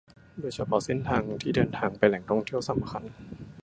โดยเฉพาะเส้นทางที่เดินทางไปแหล่งท่องเที่ยวสำคัญ